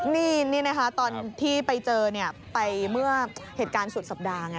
นี่นะคะตอนที่ไปเจอไปเมื่อเหตุการณ์สุดสัปดาห์ไง